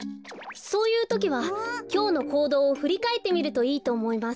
そういうときはきょうのこうどうをふりかえってみるといいとおもいます。